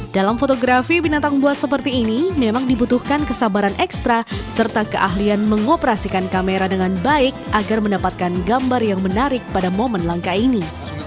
dalam fotografi binatang buat seperti ini memang dibutuhkan kesabaran ekstra serta keahlian mengoperasikan kamera dengan baik agar mendapatkan gambar yang menarik pada momen langka ini